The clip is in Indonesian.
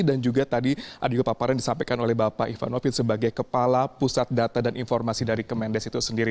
dan juga tadi ada juga paparan yang disampaikan oleh bapak ivanofit sebagai kepala pusat data dan informasi dari kemendes itu sendiri